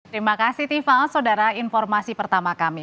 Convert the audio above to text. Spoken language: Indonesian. terima kasih tifal saudara informasi pertama kami